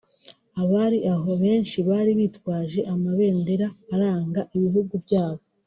Abari aho benshi bari bitwaje amabendera aranga ibihugu byabo